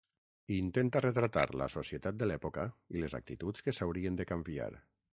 Intenta retratar la societat de l'època i les actituds que s'haurien de canviar.